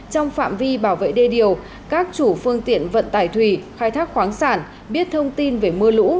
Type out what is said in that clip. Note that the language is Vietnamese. trong phạm vi bảo vệ đê điều các chủ phương tiện vận tải thủy khai thác khoáng sản biết thông tin về mưa lũ